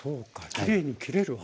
きれいに切れる技。